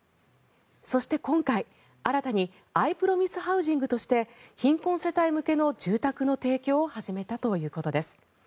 そして今回、新たにＩＰｒｏｍｉｓｅハウジングとして貧困世帯向けの住宅の提供を始めたということです。